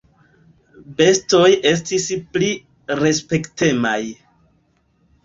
"Bestoj estis pli respektemaj."